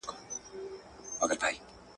چي د ټولو افغانانو هیله ده..